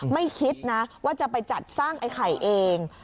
ไม่คิดนะว่าจะไปจัดสร้างไอ้ไข่เอง